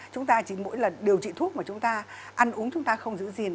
chúng ta chỉ mỗi lần điều trị thuốc mà chúng ta ăn uống chúng ta không giữ gìn